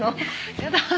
やだ。